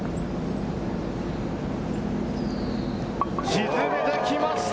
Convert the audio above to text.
沈めてきました！